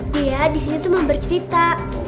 dia disini tuh mau bercerita